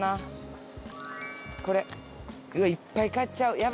うわっいっぱい買っちゃう。